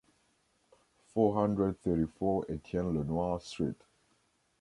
Four hundred thirty-four Etienne Lenoir Street.